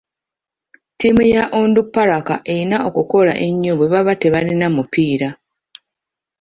Ttiimu ya Onduparaka erina okukola ennyo bwe baba tebalina mupiira.